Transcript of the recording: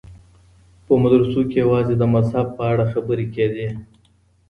په مدرسو کي يوازې د مذهب په اړه خبري کېدې.